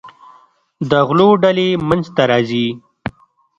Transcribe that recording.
د غلو ډلې منځته راځي.